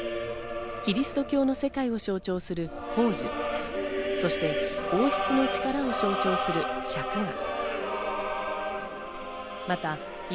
キリスト教の世界を象徴する宝珠、そして王室の力を象徴する錫が。